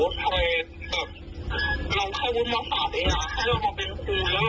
แต่เราก็ไม่มาทำงานที่ดี